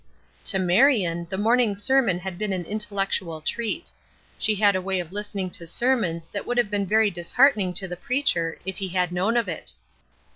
To Marion the morning sermon had been an intellectual treat. She had a way of listening to sermons that would have been very disheartening to the preacher if he had known of it.